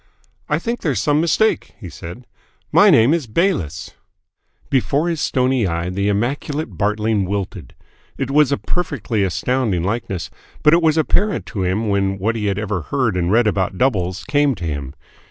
"I think there's some mistake," he said. "My name is Bayliss." Before his stony eye the immaculate Bartling wilted. It was a perfectly astounding likeness, but it was apparent to him when what he had ever heard and read about doubles came to him.